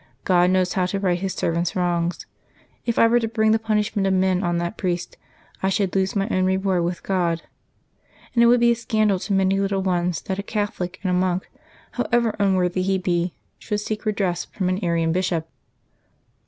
God knows how to right His servants' wrongs. If I were to bring the punish ment of man on that priest, I should lose my own reward with God. And it would be a scandal to many little ones that a Catholic and a monk, however unworthy he JANUABY 2] LIVES OF THE SAINTS 23 be, should seek redress from an Arian bishop.''